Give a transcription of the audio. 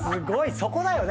そこだよね。